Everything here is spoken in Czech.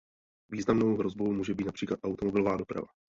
Významnou hrozbou může být například automobilová doprava.